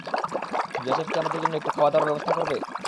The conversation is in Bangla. জোসেফ কি আমাদের জন্য একটু খাওয়াদাওয়ার ব্যবস্থা করবে?